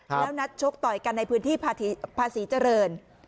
แล้วนัดชกต่อยกันในพื้นที่ภาษีเจริญ